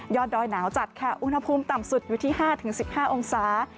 ดอยหนาวจัดค่ะอุณหภูมิต่ำสุดอยู่ที่๕๑๕องศา